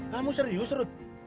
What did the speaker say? kamu serius ruth